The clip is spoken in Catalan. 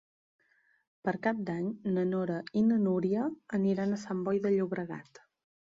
Per Cap d'Any na Nora i na Núria aniran a Sant Boi de Llobregat.